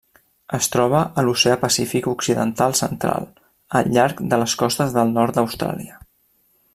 Es troba a l'Oceà Pacífic occidental central: al llarg de les costes del nord d'Austràlia.